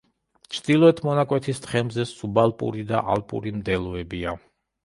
ჩრდილოეთ მონაკვეთის თხემზე სუბალპური და ალპური მდელოებია.